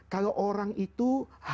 kalau orang itu